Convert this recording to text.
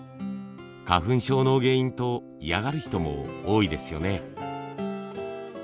花粉症の原因と嫌がる人も多いですよね。